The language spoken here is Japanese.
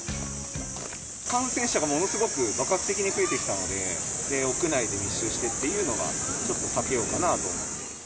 感染者がものすごく、爆発的に増えてきたので、屋内で密集しているっていう所はちょっと避けようかなと。